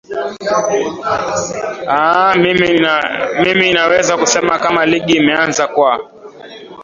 aa mimi naweza kusema kama ligi imeanza kwa